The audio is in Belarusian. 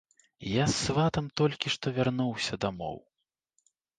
Я з сватам толькі што вярнуўся дамоў.